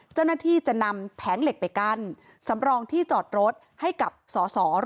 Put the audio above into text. เจ้าหน้าที่จะนำแผงเหล็กไปกั้นสำรองที่จอดรถให้กับสส